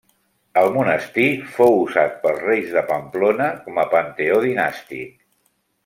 El monestir fou usat pels reis de Pamplona com a panteó dinàstic.